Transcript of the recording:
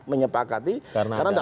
karena tidak mungkin